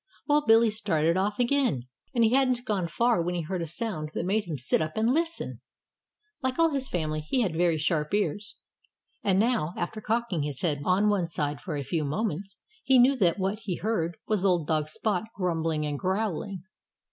Well, Billy started off again. And he hadn't gone far when he heard a sound that made him sit up and listen. Like all his family, he had very sharp ears. And now, after cocking his head on one side for a few moments, he knew that what he heard was old dog Spot grumbling and growling.